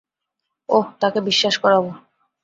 ওহ, তাকে বিশ্বাস করাবো।